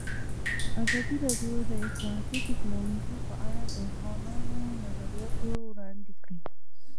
ازادي راډیو د اطلاعاتی تکنالوژي په اړه د ځوانانو نظریات وړاندې کړي.